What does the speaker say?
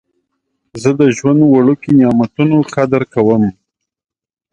زه د ژوند وړوکي نعمتونه قدر کوم.